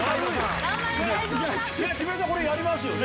木村さんこれやりますよね？